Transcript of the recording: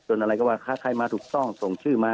อะไรก็ว่าใครมาถูกต้องส่งชื่อมา